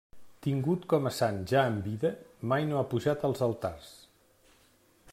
Tingut com a sant ja en vida, mai no ha pujat als altars.